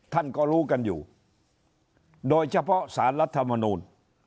ท่านก็รู้กันอยู่โดยเฉพาะสารรัฐมนูล